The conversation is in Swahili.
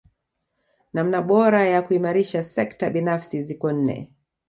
Namna bora ya kuimarisha sekta binafsi ziko nne